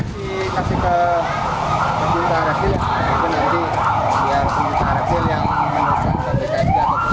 dikasih ke penjuta arasil jadi penjuta arasil yang menoloskan